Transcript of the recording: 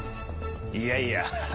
いやいや。